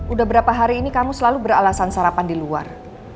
udah berapa hari ini kamu selalu beralasan sarapan di luar